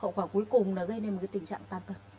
hậu quả cuối cùng là gây nên tình trạng tàn tật